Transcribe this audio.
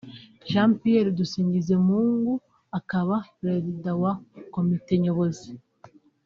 Jean Pierre Dusingizemungu akaba Perezida wa Komite Nyobozi